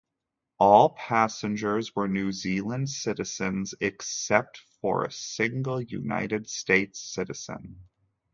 All passengers were New Zealand citizens except for a single United States citizen.